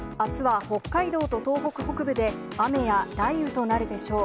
あすは北海道と東北北部で、雨や雷雨となるでしょう。